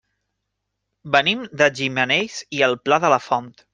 Venim de Gimenells i el Pla de la Font.